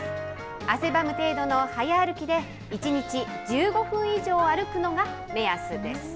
汗ばむ程度の早歩きで、１日１５分以上歩くのが目安です。